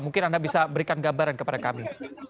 mungkin anda bisa berikan gambaran kepada kami